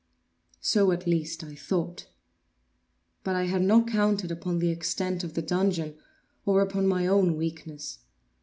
So, at least I thought: but I had not counted upon the extent of the dungeon, or upon my own weakness.